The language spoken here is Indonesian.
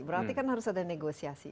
berarti kan harus ada negosiasi